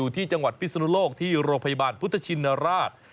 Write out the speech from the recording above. ที่จังหวัดพิศนุโลกที่โรงพยาบาลพุทธชินราช